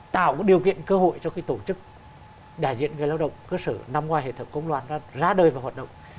tạo điều kiện cơ hội cho tổ chức đại diện người lao động cơ sở nằm ngoài hệ thống công đoàn ra đời và hoạt động